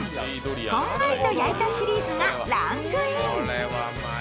こんがりと焼いたシリーズがランクイン。